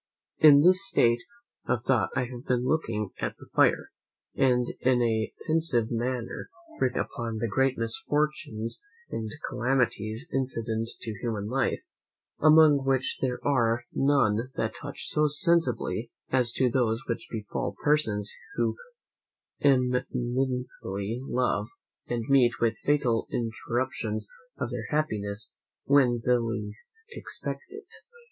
In this state of thought I have been looking at the fire, and in a pensive manner reflecting upon the great misfortunes and calamities incident to human life, among which there are none that touch so sensibly as those which befall persons who eminently love, and meet with fatal interruptions of their happiness when they least expect it.